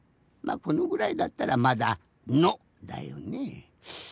まあこのぐらいだったらまだ「の」だよね。